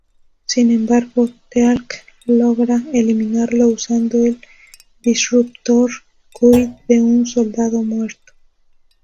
Sin embargo, Teal'c logra eliminarlo usando el Disruptor Kull de un soldado muerto.